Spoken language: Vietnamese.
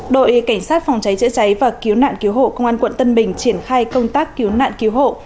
đội cảnh sát phòng cháy chữa cháy và cứu nạn cứu hộ công an quận tân bình triển khai công tác cứu nạn cứu hộ